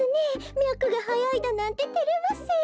みゃくがはやいだなんててれますよ。